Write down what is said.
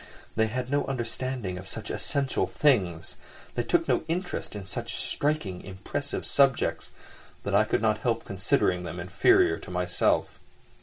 They had no understanding of such essential things, they took no interest in such striking, impressive subjects, that I could not help considering them inferior to myself.